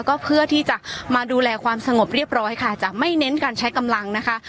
ก็เพื่อที่จะมาดูแลความสงบเรียบร้อยค่ะจะไม่เน้นการใช้กำลังนะคะ